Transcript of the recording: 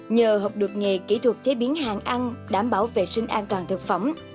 nhờ học được nghề kỹ thuật chế biến hàng ăn đảm bảo vệ sinh an toàn thực phẩm